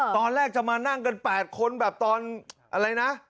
ตอนแรกจะมานั่งกัน๘คนแบบตอนอะไรนะ